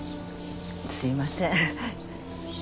すいません。